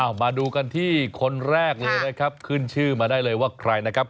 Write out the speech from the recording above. เอามาดูกันที่คนแรกเลยนะครับขึ้นชื่อมาได้เลยว่าใครนะครับ